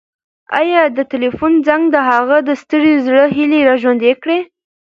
ایا د تلیفون زنګ د هغه د ستړي زړه هیلې راژوندۍ کړې؟